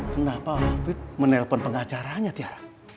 kenapa habib menelpon pengacaranya tiara